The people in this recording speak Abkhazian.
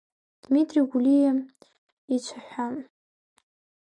Дмитри Гәлиа ицәаҳәа…